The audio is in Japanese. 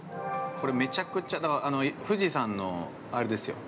◆これめちゃくちゃ富士山のあれですよ。